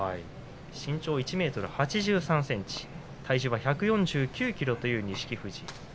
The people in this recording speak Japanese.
身長は１ｍ８３ｃｍ体重は１４９ｋｇの錦富士。